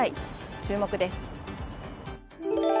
注目です。